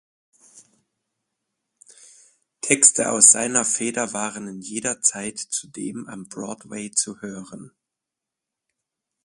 Texte aus seiner Feder waren in jener Zeit zudem am Broadway zu hören.